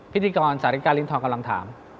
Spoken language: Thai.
พิธีกรสาธิกาลิ้นทองกำลังถาม